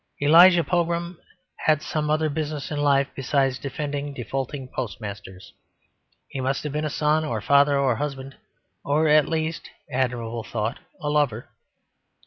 Elijah Pogram had some other business in life besides defending defaulting postmasters; he must have been a son or a father or a husband or at least (admirable thought) a lover.